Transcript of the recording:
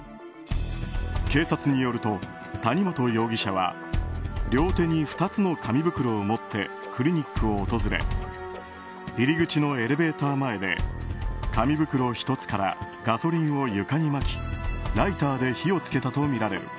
警察によると、谷本容疑者は両手に２つの紙袋を持ってクリニックを訪れ入り口のエレベーター前で紙袋１つからガソリンを床にまきライターで火をつけたとみられる。